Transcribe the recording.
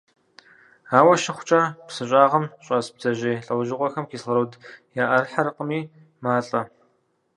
Ауэ щыхъукӀэ, псы щӀагъым щӀэс бдзэжьей лӀэужьыгъуэхэм кислород яӀэрыхьэркъыми, малӀэ.